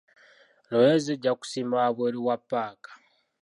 Loole zijja kusimba wabweru wa ppaaka.